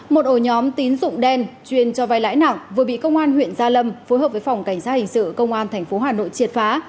một ổ nhóm tín dụng đen chuyên cho vai lãi nặng vừa bị công an huyện gia lâm phối hợp với phòng cảnh sát hình sự công an tp hà nội triệt phá